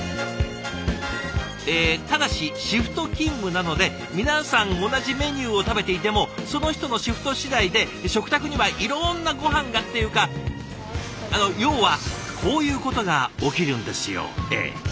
えただしシフト勤務なので皆さん同じメニューを食べていてもその人のシフト次第で食卓にはいろんなごはんがっていうか要はこういうことが起きるんですよええ。